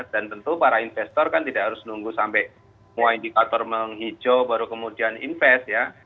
dan tentu para investor kan tidak harus nunggu sampai mula indikator menghijau baru kemudian invest ya